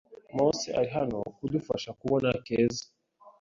Mose ari hano kudufasha kubona Keza.